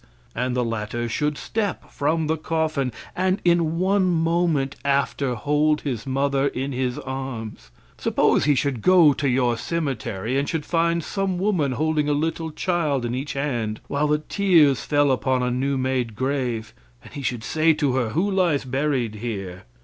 And the latter should step from the coffin, and in one moment after hold his mother in his arms. Suppose he should go to your cemetery and should find some woman holding a little child in each hand, while the tears fell upon a new made grave, and he should say to her, "Who lies buried here?"